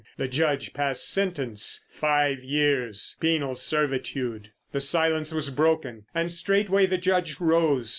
The Judge passed sentence: Five years' penal servitude. The silence was broken, and straightway the Judge rose.